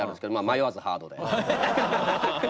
迷わずハードですね。